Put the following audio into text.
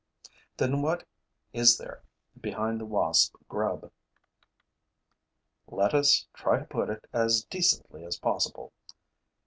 Then what is there behind the wasp grub? Let us try to put it as decently as possible.